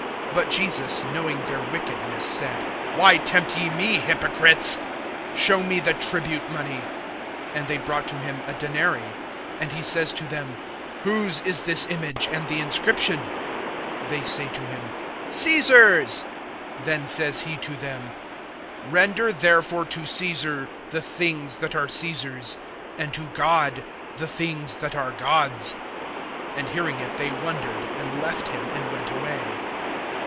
(18)But Jesus, knowing their wickedness, said: Why tempt ye me, hypocrites! (19)Show me the tribute money. And they brought to him a denary[22:19]. (20)And he says to them: Whose is this image, and the inscription? (21)They say to him: Caesar's. Then says he to them; Render therefore to Caesar the things that are Caesar's, and to God the things that are God's. (22)And hearing it they wondered, and left him and went away.